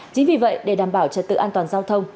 chính vì vậy để đảm bảo trật tự an toàn giao thông